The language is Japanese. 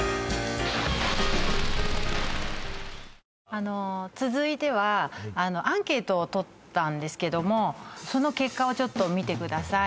あの続いてはアンケートをとったんですけどもその結果をちょっと見てください